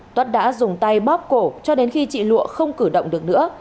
tuất đã dùng tay bóp cổ cho đến khi chị lụa không cử động được nữa